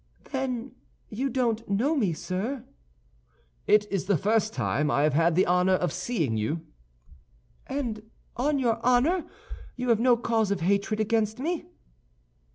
"Then you don't know me, sir?" "It is the first time I have had the honor of seeing you." "And on your honor, you have no cause of hatred against me?"